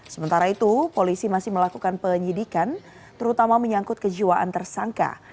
sementara itu polisi masih melakukan penyidikan terutama menyangkut kejiwaan tersangka